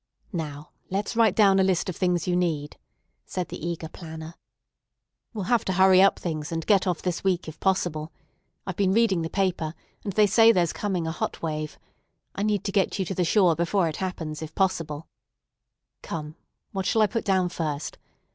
"Now let's write down a list of things you need," said the eager planner; "we'll have to hurry up things, and get off this week if possible. I've been reading the paper, and they say there's coming a hot wave. I need to get you to the shore before it arrives, if possible. Come; what shall I put down first?